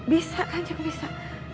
bisa kanjeng bisa